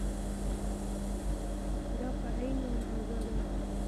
دا په عین اندازه ده.